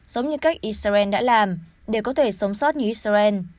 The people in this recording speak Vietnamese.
giống như cách israel đã làm để có thể sống sót như israel